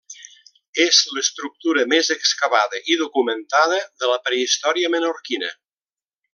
És l’estructura més excavada i documentada de la prehistòria menorquina.